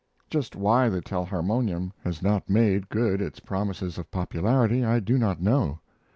Just why the telharmonium has not made good its promises of popularity I do not know.